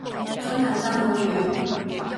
真係爭好遠